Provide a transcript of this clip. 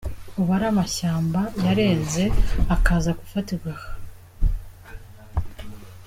Ubare amashyamba yarenze akaza gufatirwa aha.